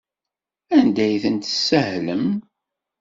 Anda ay tent-tessahlem?